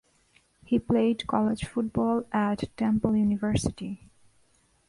He played college football at Temple University.